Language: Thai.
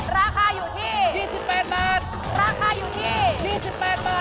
ราคาอยู่ที่